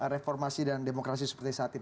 reformasi dan demokrasi seperti saat ini